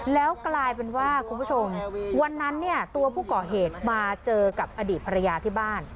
แล้วกลายเป็นว่าคุณผู้ชมวันนั้นเนี่ยตัวผู้ก่อเหตุมาเจอกับอดีตภรรยาที่บ้าน